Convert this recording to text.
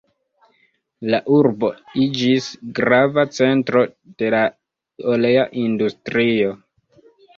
La urbo iĝis grava centro de la olea industrio.